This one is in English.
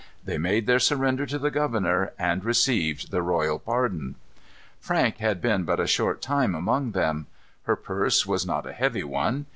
They made their surrender to the governor, and received the royal pardon. Frank had been but a short time among them. Her purse was not a heavy one.